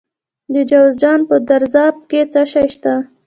د جوزجان په درزاب کې څه شی شته؟